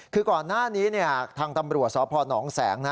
คือก่อนหน้านี้ทางตำรวจสพนแสง